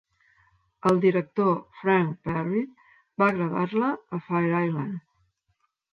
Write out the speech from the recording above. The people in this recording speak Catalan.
El director Frank Perry va gravar-la a Fire Island.